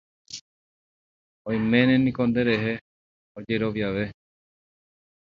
Oiméne niko nderehe ojeroviave.